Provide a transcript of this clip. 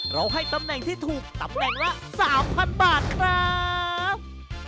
ให้ตำแหน่งที่ถูกตำแหน่งละ๓๐๐บาทครับ